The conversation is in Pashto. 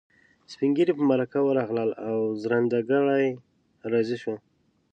سپين ږيري په مرکه ورغلل او ژرنده ګړی راضي شو.